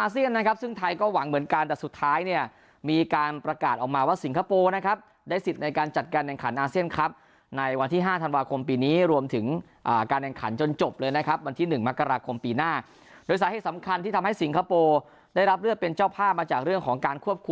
อาเซียนนะครับซึ่งไทยก็หวังเหมือนกันแต่สุดท้ายเนี่ยมีการประกาศออกมาว่าสิงคโปร์นะครับได้สิทธิ์ในการจัดการแข่งขันอาเซียนครับในวันที่๕ธันวาคมปีนี้รวมถึงการแข่งขันจนจบเลยนะครับวันที่๑มกราคมปีหน้าโดยสาเหตุสำคัญที่ทำให้สิงคโปร์ได้รับเลือกเป็นเจ้าภาพมาจากเรื่องของการควบคุ